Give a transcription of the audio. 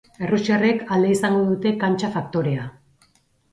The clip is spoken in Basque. Errusiarrek alde izango dute kantxa faktorea.